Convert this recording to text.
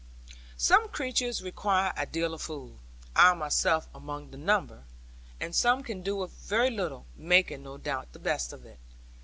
Some creatures require a deal of food (I myself among the number), and some can do with a very little; making, no doubt, the best of it.